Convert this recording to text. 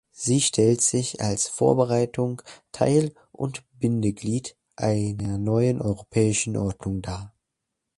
Sie stellt sich als Vorbereitung, Teil und Bindeglied einer neuen europäischen Ordnung dar.